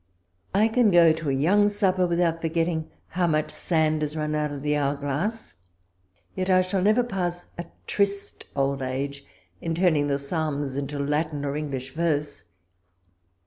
I can go to a young supper, without forgetting how much sand is run out of the hour glass. Yet I shall never pass a triste old age in turning the Psalms into Latin or English verse.